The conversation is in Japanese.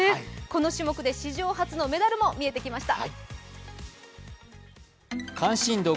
この種目で史上初のメダルも見えてきました。